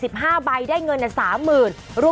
๙๒อีก๑๕ใบได้เงินเนี่ย๓๐๐๐๐บาท